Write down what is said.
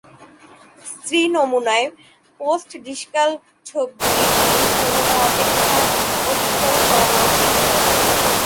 স্ত্রী নমুনায় post discal ছোপগুলি পুরুষ নমুনা অপেক্ষা অধিকতর চওড়া ও সুস্পষ্ট।